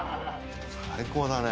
最高だね。